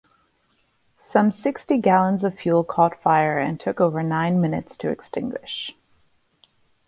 Some sixty gallons of fuel caught fire, and took over nine minutes to extinguish.